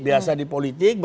biasa di politik